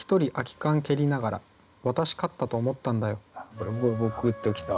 これも「グッときた」